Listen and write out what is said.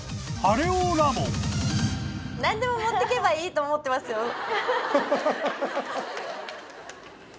何でも持ってけばいいと思ってますよ。